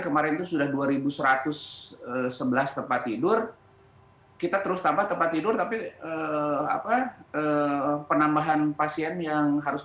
kemarin itu sudah dua ribu satu ratus sebelas tempat tidur kita terus tambah tempat tidur tapi apa penambahan pasien yang harus